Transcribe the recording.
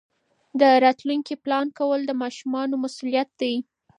د راتلونکي پلان کول د ماشومانو مسؤلیت دی.